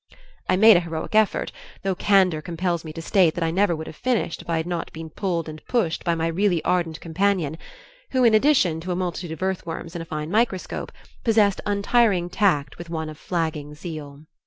I made a heroic effort, although candor compels me to state that I never would have finished if I had not been pulled and pushed by my really ardent companion, who in addition to a multitude of earthworms and a fine microscope, possessed untiring tact with one of flagging zeal.